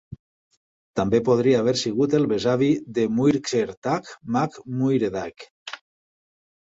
També podria haver sigut el besavi de Muirchertach mac Muiredaig.